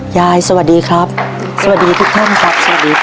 ยายสวัสดีครับสวัสดีทุกท่านครับ